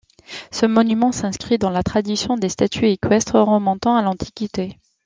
Ce monument s'inscrit dans la tradition des statues équestres, remontant à l'Antiquité.